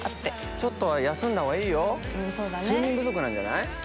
ちょっとは休んだほうがいいよ睡眠不足なんじゃない？